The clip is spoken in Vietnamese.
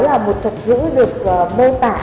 là một thuật ngữ được mô tả